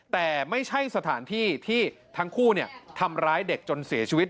แต่ไม่ใช่สถานที่ที่ทั้งคู่ทำร้ายเด็กจนเสียชีวิต